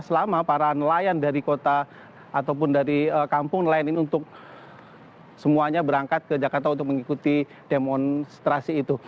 selama para nelayan dari kota ataupun dari kampung nelayan ini untuk semuanya berangkat ke jakarta untuk mengikuti demonstrasi itu